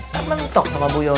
nggak mentok sama bu yola